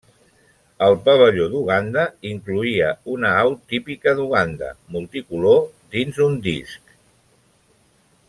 El pavelló d'Uganda incloïa una au típica d'Uganda, multicolor, dins un disc.